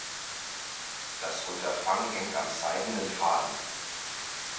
Das Unterfangen hängt am seidenen Faden.